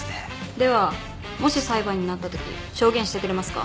ではもし裁判になったとき証言してくれますか？